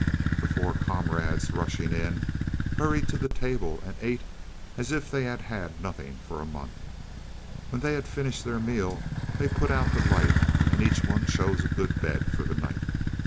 The four comrades, rushing in, hurried to the table and ate as if they had had nothing for a month. When they had finished their meal they put out the light, and each one chose a good bed for the night.